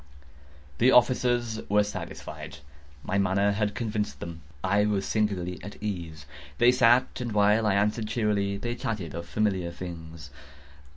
The officers were satisfied. My manner had convinced them. I was singularly at ease. They sat, and while I answered cheerily, they chatted of familiar things.